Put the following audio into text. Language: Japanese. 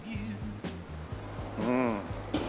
うん。